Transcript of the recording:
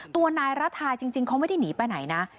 ตัวนายรัฐาจริงเขาไม่ได้หนีไปไหนนะ